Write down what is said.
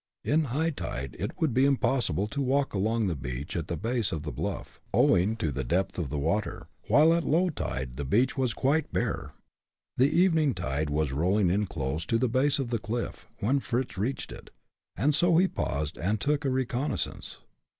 In high tide it would be impossible to walk along the beach at the base of the bluff, owing to the depth of water, while at low tide the beach was quite bare. The evening tide was rolling in close to the base of the cliff, when Fritz reached it, and so he paused and took a reconnoissance.